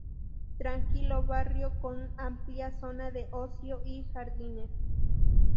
Tranquilo barrio con amplia zona de ocio y jardines.